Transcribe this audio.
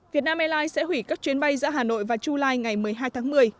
việt nam airlines sẽ hủy các chuyến bay ra hà nội và chulai ngày một mươi hai tháng một mươi